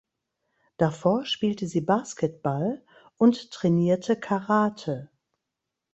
Davor spielte sie Basketball und trainierte Karate.